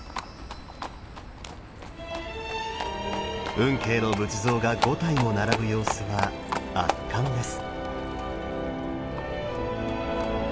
運慶の仏像が５体も並ぶ様子は圧巻です。